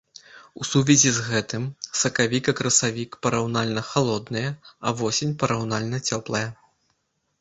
У сувязі з гэтым сакавік і красавік параўнальна халодныя, а восень параўнальна цёплая.